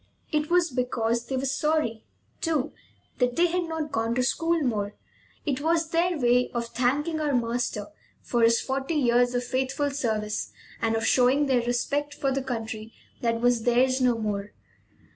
It was because they were sorry, too, that they had not gone to school more. It was their way of thanking our master for his forty years of faithful service and of showing their respect for the country that was theirs no more.